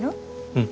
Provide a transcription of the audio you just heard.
うん。